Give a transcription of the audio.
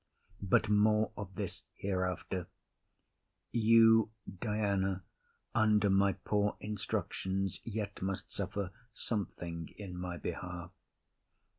But more of this hereafter. You, Diana, Under my poor instructions yet must suffer Something in my behalf.